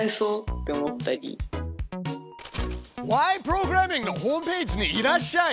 プログラミング」のホームページにいらっしゃい！